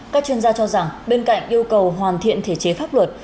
các chuyên gia cho rằng bên cạnh yêu cầu hoàn thiện thể chế pháp luật